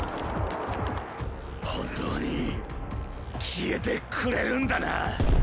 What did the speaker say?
本当に消えてくれるんだなッ！